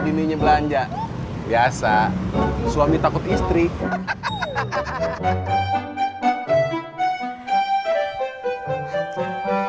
bimbinya belanja biasa suami takut istri hehehe